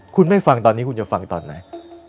คุณไม่ฟังตอนนี้คุณจะฟังตอนไหน